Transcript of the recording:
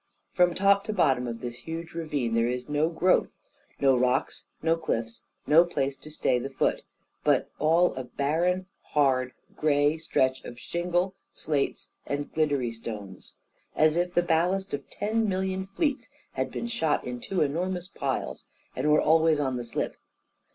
From top to bottom of this huge ravine there is no growth, no rocks, no cliffs, no place to stay the foot, but all a barren, hard, grey stretch of shingle, slates, and gliddery stones: as if the ballast of ten million fleets had been shot in two enormous piles, and were always on the slip.